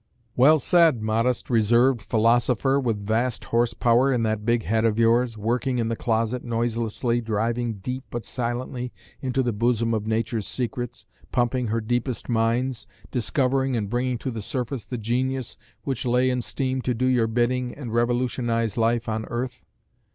Well said, modest, reserved philosopher with vast horse power in that big head of yours, working in the closet noiselessly, driving deep but silently into the bosom of nature's secrets, pumping her deepest mines, discovering and bringing to the surface the genius which lay in steam to do your bidding and revolutionise life on earth!